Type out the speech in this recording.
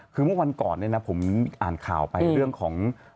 คือเมื่อวันก่อนเนี่ยนะผมอ่านข่าวไปเรื่องของ